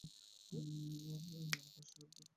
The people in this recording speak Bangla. আব-ই-রওয়ান ফার্সি শব্দ, অর্থ "প্রবাহিত পানি"।